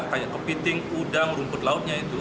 kayak kepiting udang rumput lautnya itu